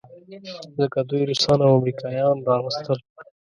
ځکه دوی روسان او امریکایان راوستل.